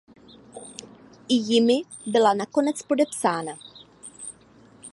I jimi byla nakonec podepsána.